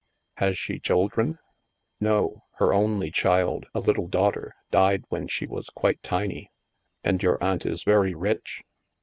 Has she children?" No. Her only child, a little daughter, died "when she was quite tiny." And your aunt is very rich?